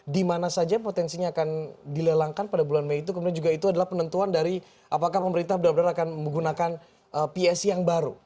dimana saja potensinya akan dilelangkan pada bulan mei itu kemudian juga itu adalah penentuan dari apakah pemerintah benar benar akan menggunakan psc yang baru